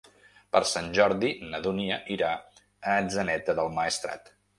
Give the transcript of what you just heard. Per Sant Jordi na Dúnia irà a Atzeneta del Maestrat.